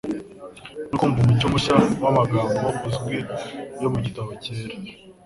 no kumva umucyo mushya w'amagambo azwi yo mu gitabo cyera.